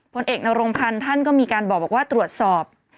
ผลเอกนรงพันธ์ท่านก็มีการบอกว่าตรวจสอบ